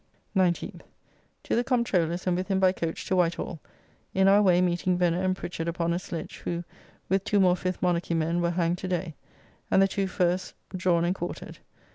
19th. To the Comptroller's, and with him by coach to White Hall; in our way meeting Venner and Pritchard upon a sledge, who with two more Fifth Monarchy men were hanged to day, and the two first drawn and quartered.